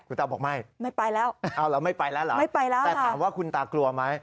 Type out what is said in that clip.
คุณตาบอกไม่ไม่ไปแล้วไม่ไปแล้วค่ะแต่ถามว่าคุณตากลัวไหม